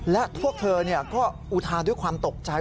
และพวกเธอก็อุทานด้วยความตกใจ